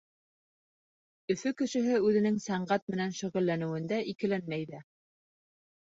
Өфө кешеһе үҙенең сәнғәт менән шөғөлләнеүендә икеләнмәй ҙә.